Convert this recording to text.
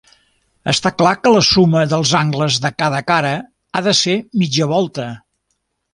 Està clar que la suma dels angles de cada cara ha de ser mitja volta.